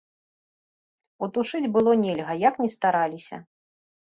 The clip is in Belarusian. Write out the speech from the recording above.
Утушыць было нельга, як ні стараліся.